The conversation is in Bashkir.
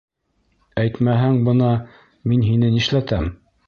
Әйтмәһәң, бына мин һине нишләтәм!